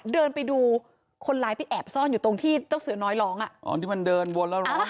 เดินไปดูคนร้ายไปแอบซ่อนอยู่ตรงที่เจ้าเสือน้อยร้องอ่ะอ๋อที่มันเดินวนแล้วร้อง